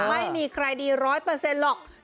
ไม่มีใครดีร้อยเปอร์เซ็นต์หรอก